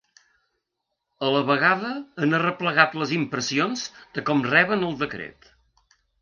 A la vegada han arreplegat les impressions de com reben el decret.